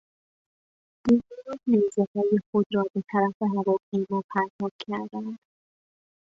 بومیان نیزههای خود را به طرف هواپیما پرتاب کردند.